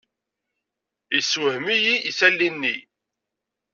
Yessewhem-iyi isali-nni.